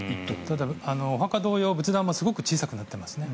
ただ、お墓同様仏壇もすごく小さくなっていますね。